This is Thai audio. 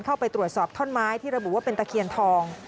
เข้าไปตรวจสอบท่อนไม้ที่ระบุว่าเป็นตะเคียนทอง